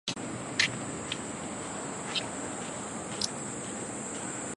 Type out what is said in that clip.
杨维于入国家队后的两年夺得了新加坡公开赛的女子双打项目与苏迪曼杯的冠军。